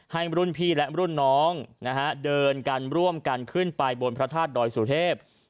รุ่นพี่และรุ่นน้องนะฮะเดินกันร่วมกันขึ้นไปบนพระธาตุดอยสุเทพ